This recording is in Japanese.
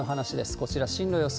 こちら、進路予想。